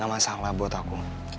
gak masalah buat aku